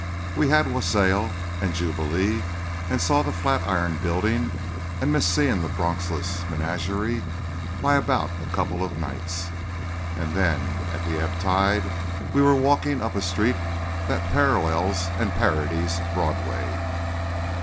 We had wassail and jubilee and saw the Flatiron building, and missed seeing the Bronxless menagerie by about a couple of nights. And then, at the ebb tide, we were walking up a street that parallels and parodies Broadway.